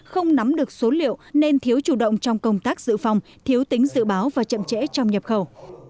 không nắm được số liệu nên thiếu chủ động trong công tác dự phòng thiếu tính dự báo và chậm trễ trong nhập khẩu